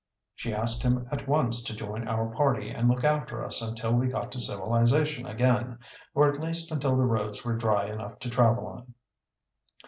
She asked him at once to join our party and look after us until we got to civilization again, or at least until the roads were dry enough to travel on.